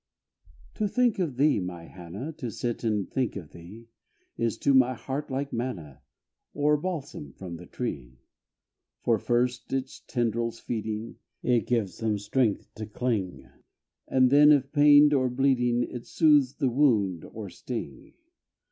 To think of thee, my Hannah To sit and think of thee, Is to my heart like manna, Or balsam from the tree. For, first, its tendrils feeding, It gives them strength to cling; And then, if pained or bleeding, It soothes the wound or sting.